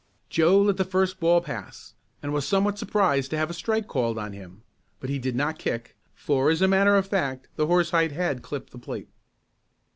Joe let the first ball pass, and was somewhat surprised to have a strike called on him. But he did not kick, for, as a matter of fact, the horsehide had clipped the plate.